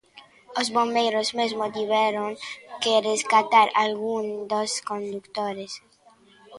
Os bombeiros mesmo tiveron que rescatar algún dos condutores.